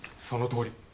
そのとおり。